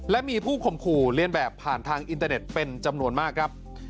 และมีผู้ข่มขู่เรียนแบบผ่านทางอินเตอร์เน็ตเป็นจำนวนมากครับ